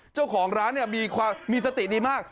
เจ้าของร้านมีสติดีมาก